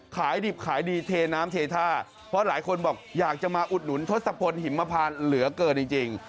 ขายดิบขายดีเทน้ำเทท่าเพราะหลายคนบอกอยากจะมาอุดหนุนทศพลหิมพานเหลือเกินจริง